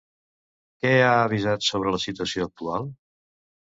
Què ha avisat sobre la situació actual?